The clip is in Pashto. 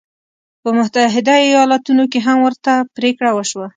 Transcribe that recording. په متحده ایالتونو کې هم ورته پرېکړه وشوه.